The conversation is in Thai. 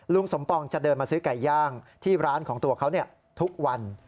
สมปองจะเดินมาซื้อไก่ย่างที่ร้านของตัวเขาทุกวัน